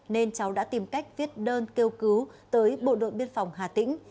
nên cháu đã tìm cách viết đơn kêu cứu tới bộ đội biên phòng hà tĩnh